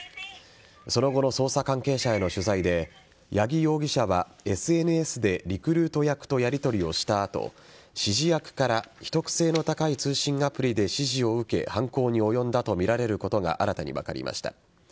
その後の捜査関係者への取材で八木容疑者はＳＮＳでリクルート役とやりとりをした後指示役から秘匿性の高い通信アプリで指示を受け犯行に及んだとみられることが新たに分かりました。